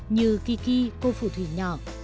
như kiki cô phù thủy nhỏ